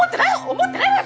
思ってないわよ